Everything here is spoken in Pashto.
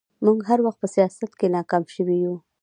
موږ هر وخت په سياست کې ناکام شوي يو